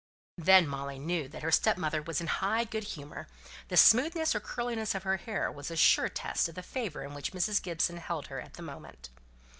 Then Molly knew that her stepmother was in high good humour; the smoothness or curliness of her hair was a sure test of the favour in which Mrs. Gibson held her at the moment.